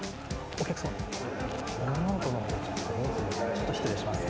ちょっと失礼します。